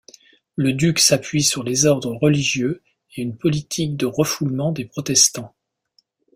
Le duc s'appuie sur les ordres religieux et une politique de refoulement des protestants.